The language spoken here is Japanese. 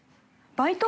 バイト？